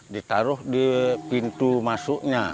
ditaruh di pintu masuknya